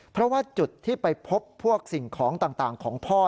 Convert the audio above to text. เพราะว่าจุดที่ไปพบพวกสิ่งของต่างของพ่อ